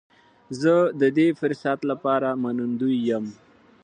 زه د دې فرصت لپاره منندوی یم.